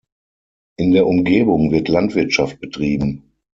In der Umgebung wird Landwirtschaft betrieben.